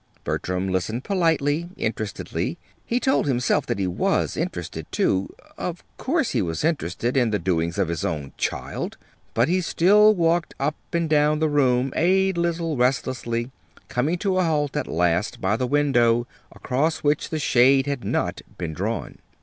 Bertram listened politely, interestedly. He told himself that he was interested, too. Of course he was interested in the doings of his own child! But he still walked up and down the room a little restlessly, coming to a halt at last by the window, across which the shade had not been drawn.